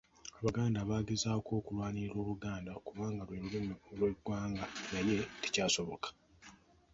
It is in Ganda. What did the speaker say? Abaganda baagezaako okulwanirira Oluganda okubanga lwe Lulimi lw'eggwanga naye tekyasoboka.